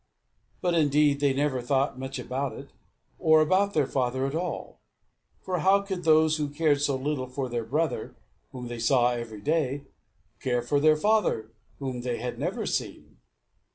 But indeed they never thought much about it, or about their father at all; for how could those who cared so little for their brother, whom they saw every day, care for their father whom they had never seen?